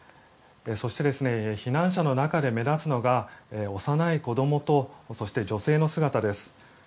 そして、避難者の中で目立つのが幼い子供と女性の姿です。